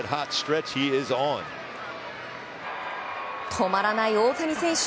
止まらない大谷選手。